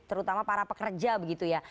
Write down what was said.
terutama para pekerja begitu ya